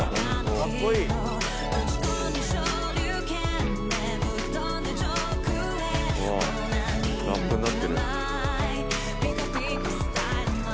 おおラップになってる。